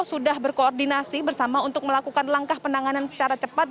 sudah berkoordinasi bersama untuk melakukan langkah penanganan secara cepat